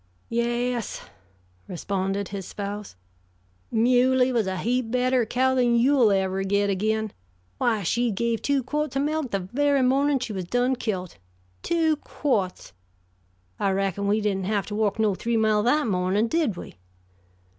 "Yes," responded his spouse, "Muley was a heap better cow then you'll ever git agin. Why, she gave two quo'ts o' melk the very mornin' she was done killed, two quo'ts. I reckon we didn't have to walk no three mile that mornin', did we?